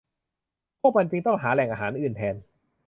พวกมันจึงต้องหาแหล่งอาหารอื่นแทน